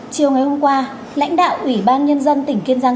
chiều ngày hôm qua lãnh đạo ủy ban nhân dân tỉnh kiên giang